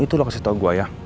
itu lo kasih tau gue ya